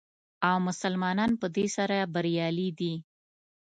او مسلمانان په دې سره بریالي دي.